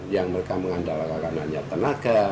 yang mereka mengandalkan hanya tenaga